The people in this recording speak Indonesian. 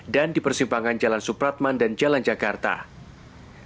dan di persimpangan jalan supratman dan jalan jalan jalan